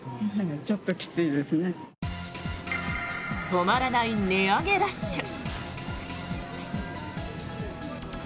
止まらない値上げラッシュ。